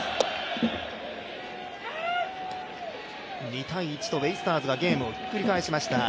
２−１とベイスターズが試合をひっくり返しました。